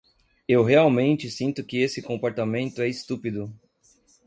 Eu realmente sinto que esse comportamento é estúpido.